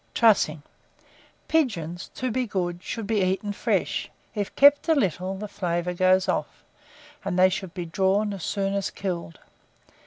Trussing. Pigeons, to be good, should be eaten fresh (if kept a little, the flavour goes off), and they should be drawn as soon as killed.